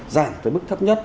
giảm tới mức thấp nhất